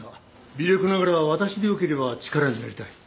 微力ながら私でよければ力になりたい